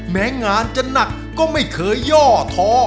แม้งานจะหนักก็ไม่เคยย่อท้อ